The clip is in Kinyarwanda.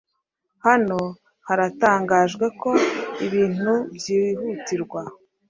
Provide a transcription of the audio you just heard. Hano haratangajwe ko ibintu byihutirwa.